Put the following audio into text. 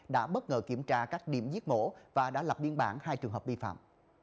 đã bất ngờ kiểm tra các điểm giết mổ và đã lập biên bản hai trường hợp vi phạm